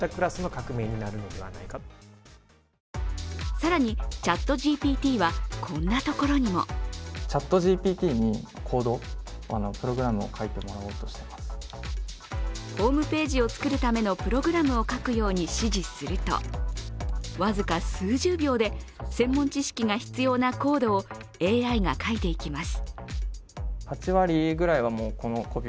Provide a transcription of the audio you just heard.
更に、ＣｈａｔＧＰＴはこんなところにもホームページを作るためのプログラムを書くように指示すると僅か数十秒で専門知識が必要なコードをＡＩが書いていきます。